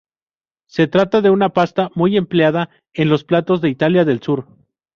Se trata de una pasta muy empleada en los platos de Italia del sur.